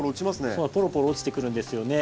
そうポロポロ落ちてくるんですよね。